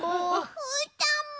うーたんも。